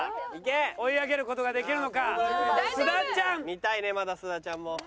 見たいねまだ須田ちゃんも。